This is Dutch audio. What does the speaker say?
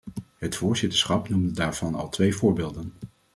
Het voorzitterschap noemde daarvan al twee voorbeelden.